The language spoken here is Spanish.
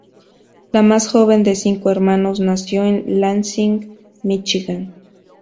La más joven de cinco hermanos, nació en Lansing, Michigan.